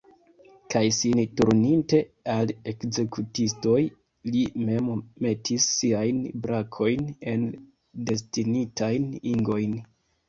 Kaj sin turninte al ekzekutistoj, li mem metis siajn brakojn en destinitajn ingojn.